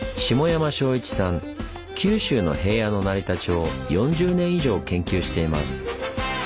九州の平野の成り立ちを４０年以上研究しています。